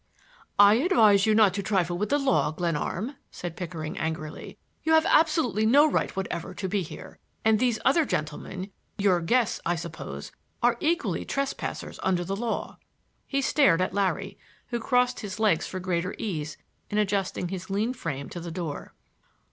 "I advise you not to trifle with the law, Glenarm," said Pickering angrily. "You have absolutely no right whatever to be here. And these other gentlemen—your guests, I suppose—are equally trespassers under the law." He stared at Larry, who crossed his legs for greater ease in adjusting his lean frame to the door.